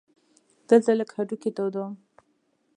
دلته لږ هډوکي تودوم.